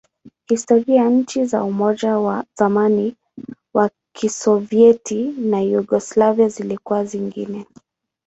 Kihistoria, nchi za Umoja wa zamani wa Kisovyeti na Yugoslavia zilikuwa zingine.